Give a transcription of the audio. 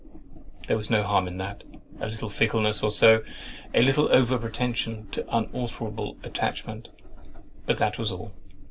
There was no harm in that—a little fickleness or so, a little over pretension to unalterable attachment—but that was all.